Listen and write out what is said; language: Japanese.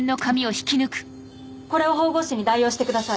これを縫合糸に代用してください。